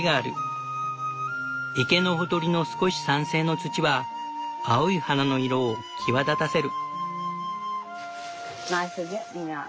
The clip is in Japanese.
池のほとりの少し酸性の土は青い花の色を際立たせる。